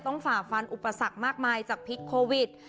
ฝ่าฟันอุปสรรคมากมายจากพิษโควิด